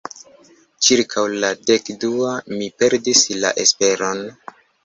Ĉirkaŭ la dek-dua, mi perdis la esperon.